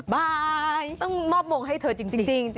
บ่ายต้องมอบวงให้เธอจริง